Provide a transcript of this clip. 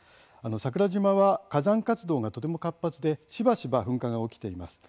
桜島は、火山活動がとても活発でしばしば噴火が起きています。